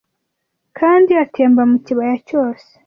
kandi atemba mu kibaya cyose